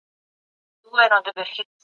قصاص د خلګو ژوند دی.